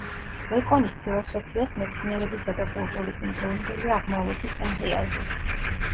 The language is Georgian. ბეკონის ფილოსოფიას მეცნიერებისა და კულტურის იმდროინდელი აღმავლობის დაღი აზის.